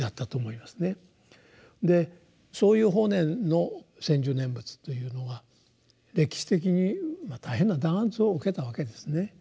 でそういう法然の専修念仏というのは歴史的に大変な弾圧を受けたわけですね。